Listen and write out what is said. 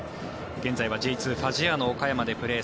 現在はＪ２ファジアーノ岡山でプレー